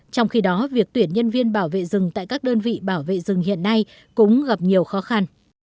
trong khi đó việc tuyển nhân viên bảo vệ rừng tại các đơn vị bảo vệ rừng hiện nay cũng gặp nhiều khó khăn